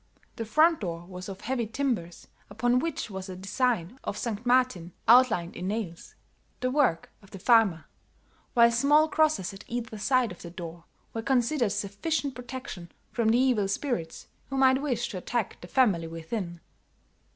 The front door was of heavy timbers upon which was a design of St. Martin outlined in nails, the work of the farmer, while small crosses at either side of the door were considered sufficient protection from the evil spirits who might wish to attack the family within.